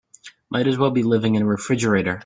Might as well be living in a refrigerator.